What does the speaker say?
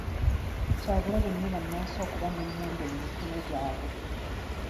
Kyabulabe nnyo bannansi okuba n'emmundu mu mikono gyabwe.